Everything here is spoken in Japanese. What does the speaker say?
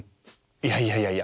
いやいやいやいや。